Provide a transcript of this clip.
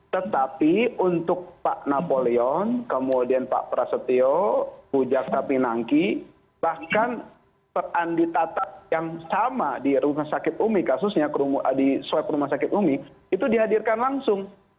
tetapi untuk pak napoleon kemudian pak prasetyo bujaksa pinangki bahkan pak andi tatap yang sama di rumah sakit umi kasusnya di swab rumah sakit umi itu dihadirkan langsung